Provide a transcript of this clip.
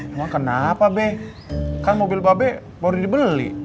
emang kenapa be kan mobil babe baru dibeli